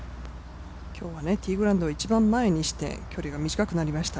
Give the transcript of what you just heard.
今日はティーグランドを一番前にして距離が短くなりました。